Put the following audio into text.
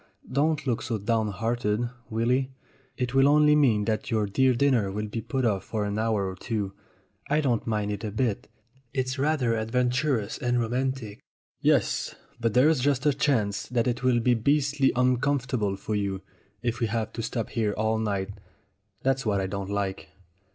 Don't look so downhearted, Willy ; it will only mean that your dear dinner will be put off for an hour or two. I don't mind it a bit. It's rather adventurous and romantic!" "Yes, but there's just a chance that it will be beastly uncomfortable for you, if we have to stop here all night. That's what I don't like."